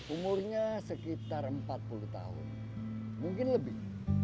umurnya sekitar empat puluh tahun mungkin lebih